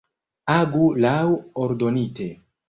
Agu laŭ ordonite.